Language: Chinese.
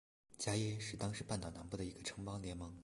伽倻是当时半岛南部的一个城邦联盟。